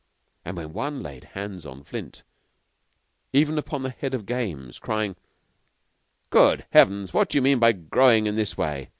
And when one laid hands on Flint, even upon the Head of the Games crying, "Good Heavens! What do you mean by growing in this way?